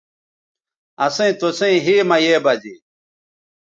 اسئیں توسئیں ھے مہ یے بزے